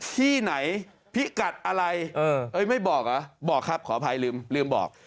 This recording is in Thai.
ที่ไหนพิกัดอะไรไม่บอกเหรอบอกครับขออภัยลืมบอก